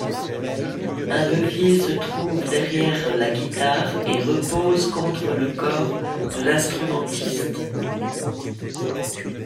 Un levier se trouve derrière la guitare et repose contre le corps de l'instrumentiste.